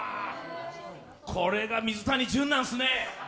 これが水谷隼なんすね。